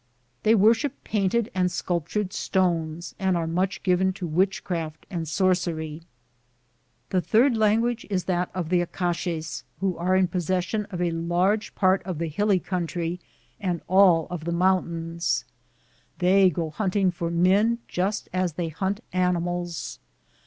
They worship painted and sculptured stones, and are much given to witchcraft and The third language is that of the Acaxes, who are in possession of a large part of the hilly country and all of the mountains. They go hunting for men just as they hunt animals.